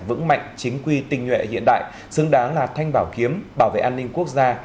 vững mạnh chính quy tình nguyện hiện đại xứng đáng là thanh bảo kiếm bảo vệ an ninh quốc gia